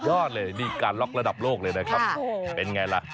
ยอดเลยนี่การล็อกระดับโลกเลยนะครับเป็นไงล่ะ